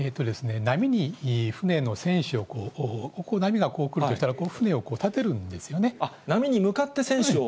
波に船の船首を、波がこう来るとしたら、こう、船を立てるん波に向かって船首を。